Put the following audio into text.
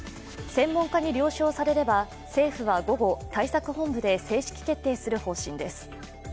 専門家に了承されれば、政府は午後対策本部で正式決定する方針です。